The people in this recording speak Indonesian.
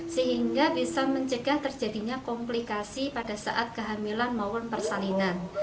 sehingga bisa mencegah terjadinya komplikasi pada saat kehamilan maupun persalinan